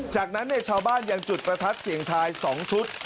จากนั้นชาวบ้านยังจุดประทัดเสียงทาย๒ชุด